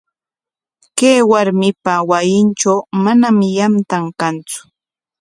Kay warmipa wasintraw manam yantan kantsu.